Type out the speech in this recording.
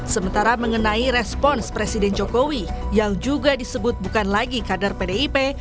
sementara mengenai respons presiden jokowi yang juga disebut bukan lagi kader pdip